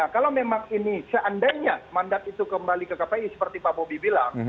kalau memang ini seandainya mandat itu kembali ke kpi seperti pak bobi bilang